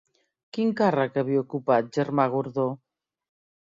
Quin càrrec havia ocupat Germà Gordó?